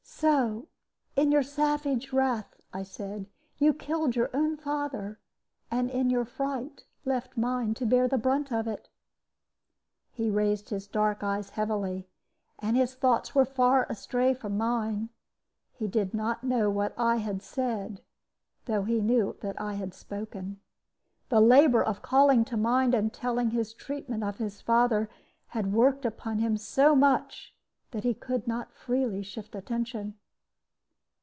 "So in your savage wrath," I said, "you killed your own father, and in your fright left mine to bear the brunt of it." He raised his dark eyes heavily, and his thoughts were far astray from mine. He did not know what I had said, though he knew that I had spoken. The labor of calling to mind and telling his treatment of his father had worked upon him so much that he could not freely shift attention.